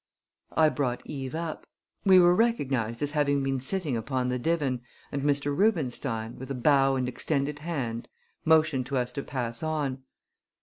I brought Eve up. We were recognized as having been sitting upon the divan and Mr. Rubenstein, with a bow and extended hand, motioned to us to pass on.